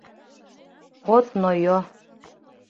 От нойо.